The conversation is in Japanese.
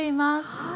はい。